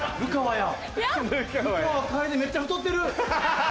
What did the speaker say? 流川楓めっちゃ太ってる。